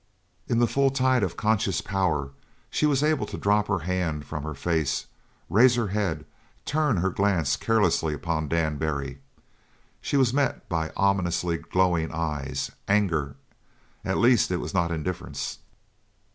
In the full tide of conscious power she was able to drop her hand from her face, raise her head, turn her glance carelessly upon Dan Barry; she was met by ominously glowing eyes. Anger at least it was not indifference.